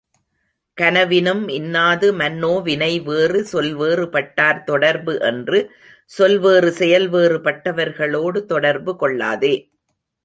கனவினும் இன்னாது மன்னோ வினைவேறு சொல்வேறு பட்டார் தொடர்பு என்று, சொல் வேறு செயல் வேறுபட்டவர்களோடு தொடர்பு கொள்ளாதே!